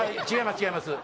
違います